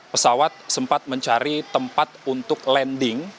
pesawat sempat mencari tempat untuk landing